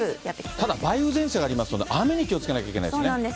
ただ、梅雨前線がありますので、雨に気をつけなければいけなそうなんです。